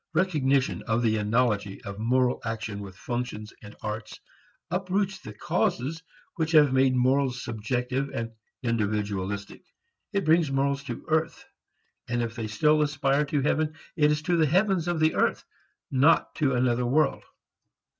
Recognition of the analogy of moral action with functions and arts uproots the causes which have made morals subjective and "individualistic." It brings morals to earth, and if they still aspire to heaven it is to the heavens of the earth, and not to another world.